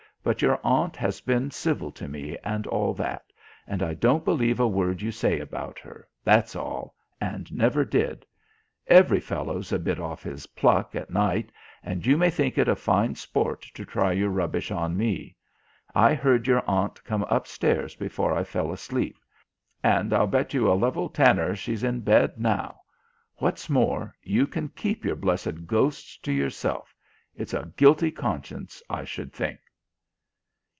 But your aunt has been civil to me and all that, and I don't believe a word you say about her, that's all, and never did. Every fellow's a bit off his pluck at night, and you may think it a fine sport to try your rubbish on me. I heard your aunt come upstairs before I fell asleep. And I'll bet you a level tanner she's in bed now. What's more, you can keep your blessed ghosts to yourself. It's a guilty conscience, I should think."